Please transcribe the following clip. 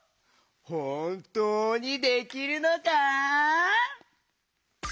ほんとうにできるのか？